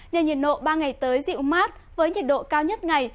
nên nhiệt độ ba ngày tới dịu mát với nhiệt độ cao nhất ngày